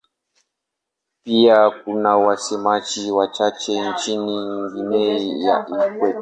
Pia kuna wasemaji wachache nchini Guinea ya Ikweta.